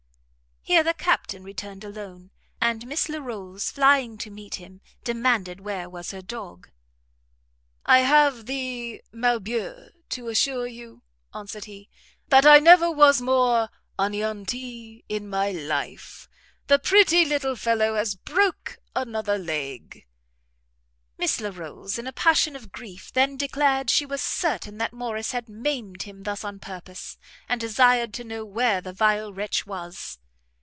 Here the Captain returned alone; and Miss Larolles, flying to meet him, demanded where was her dog? "I have the malbeur to assure you," answered he, "that I never was more aneanti in my life! the pretty little fellow has broke another leg!" Miss Larolles, in a passion of grief, then declared she was certain that Morrice had maimed him thus on purpose, and desired to know where the vile wretch was?